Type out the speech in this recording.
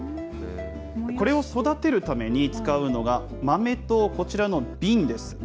これを育てるために使うのが、豆とこちらの瓶です。